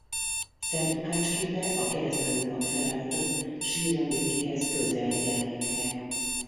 Szent Lukács képe a kereszthajóban felállított síremlékéhez közel jelenik meg.